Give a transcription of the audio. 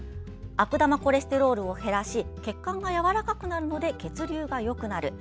悪玉コレステロールを減らし血管がやわらかくなるので血流がよくなる。